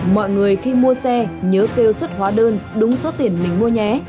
mọi người khi mua xe nhớ kêu xuất hóa đơn đúng số tiền mình mua nhé